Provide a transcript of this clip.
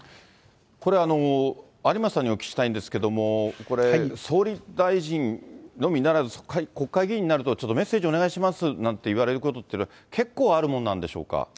これ、有馬さんにお聞きしたいんですけれども、これ、総理大臣のみならず、国会議員になると、ちょっとメッセージお願いしますなんてこと言われること、結構あるもんなんでしょうか。